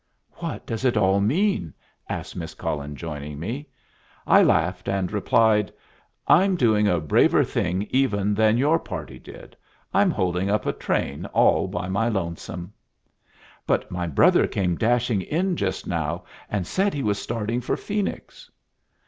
"What does it all mean?" asked Miss Cullen, joining me. I laughed, and replied, "I'm doing a braver thing even than your party did; I'm holding up a train all by my lonesome." "But my brother came dashing in just now and said he was starting for Phoenix."